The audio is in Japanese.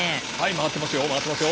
回ってますよ。